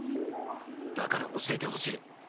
だから教えてほしい。